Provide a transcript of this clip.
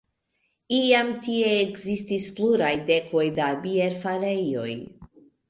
Iam tie ekzistis pluraj dekoj da bierfarejoj.